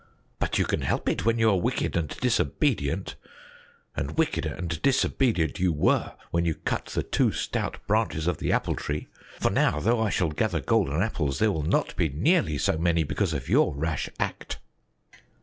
"But you can help it when you are wicked and disobedient; and wicked and disobedient you were when you cut the two stout branches of the Apple Tree. For now, though I shall gather golden apples, there will not be nearly so many because of your rash act."